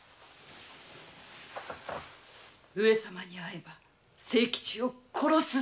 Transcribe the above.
上様に会えば清吉を殺す。